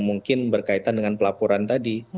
mungkin berkaitan dengan pelaporan tadi